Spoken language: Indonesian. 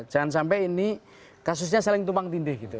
jangan sampai ini kasusnya saling tumpang tindih gitu